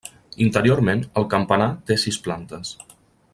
Interiorment, el campanar té sis plantes.